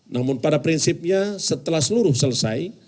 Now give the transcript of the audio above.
namun pada prinsipnya setelah seluruh selesai